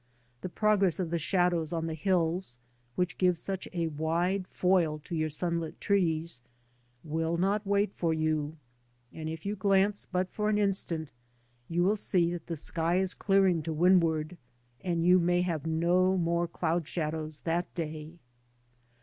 The progress of the shadows on the hills, which give such a wide foil to your sunlit trees, will not wait for you, and if you glance but for an instant you will see that the sky is clearing to windward, and you may have no more cloud shadows that day.